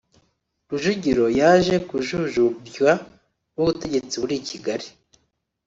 Rujugiro yaje kujujubywa n’ubutegetsi buri I Kigali